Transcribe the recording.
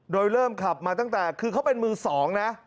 โดยเริ่มขับมาตั้งแต่คือเขาเป็นมือสองนะ